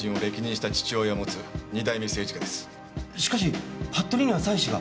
しかし服部には妻子が。